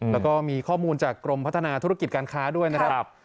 แล้วก็มีข้อมูลจากกรมพัฒนาธุรกิจการค้าด้วยนะครับ